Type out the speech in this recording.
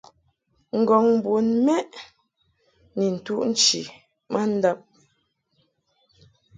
Ngɔ̀ŋ bon mɛʼ ni ntuʼ nchi ma ndab.